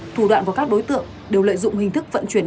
thủ đoạn của các đối tượng đều lợi dụng hình thức vận chuyển